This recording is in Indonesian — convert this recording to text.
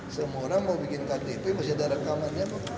semua orang mau bikin ktp masih ada rekamannya